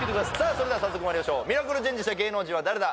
それでは早速まいりましょうミラクルチェンジした芸能人は誰だ？